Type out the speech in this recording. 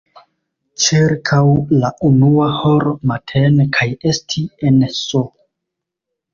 ĉirkaŭ la unua horo matene kaj esti en S.